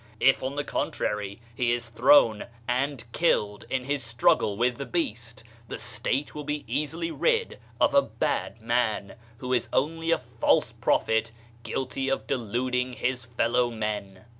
If on the contrary he is thrown and killed in his struggle with the beast, the State will be easily rid of a bad man, who is only a false prophet guilty of deluding his fellow men."